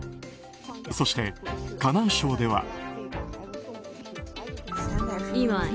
そして、河南省では。